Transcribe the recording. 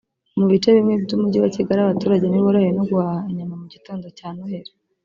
Mu bice bimwe by’umujyi wa Kigali abaturage ntiborohewe no guhaha inyama mu gitondo cya Noheli